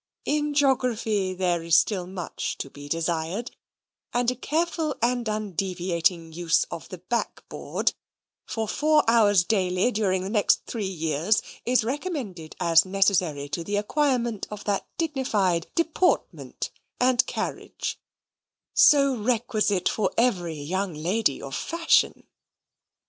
In geography there is still much to be desired; and a careful and undeviating use of the backboard, for four hours daily during the next three years, is recommended as necessary to the acquirement of that dignified DEPORTMENT AND CARRIAGE, so requisite for every young lady of FASHION.